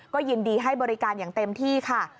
ก็ยินดีให้บริการอย่างเต็มที่ค่ะ